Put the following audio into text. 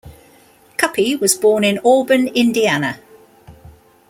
Cuppy was born in Auburn, Indiana.